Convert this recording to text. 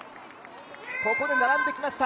ここで並んできました